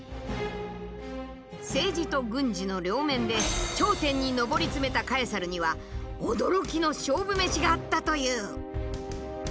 政治と軍事の両面で頂点に上り詰めたカエサルには驚きの勝負メシがあったという。